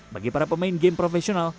bagi para pemain game profesional